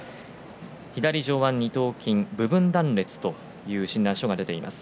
左上腕二頭筋部分断裂という診断書が出ています。